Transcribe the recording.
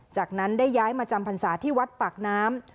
จากนั้นได้ย้ายมาจำพรรษาที่วัดปากน้ำ